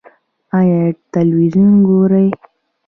ایا تلویزیون ګورئ؟